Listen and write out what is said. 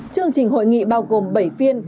chương trình hội nghị bao gồm bảy phiên